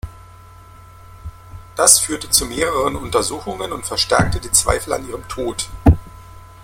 Das führte zu mehreren Untersuchungen und verstärkte die Zweifel an ihrem Tod.